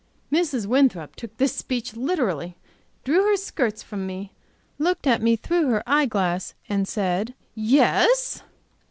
Mrs. Winthrop took this speech literally, drew away her skirts from me, looked at me through her eye glass, and said, "Yes?"